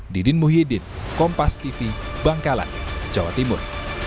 didin muhyidid kompas tv bangkalan jawa timur